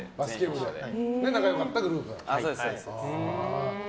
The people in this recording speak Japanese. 仲良かったグループなんだね。